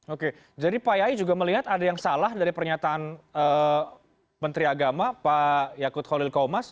oke jadi pak yai juga melihat ada yang salah dari pernyataan menteri agama pak yakut khalil komas